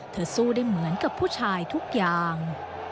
สู้ได้เหมือนกับผู้ชายทุกอย่าง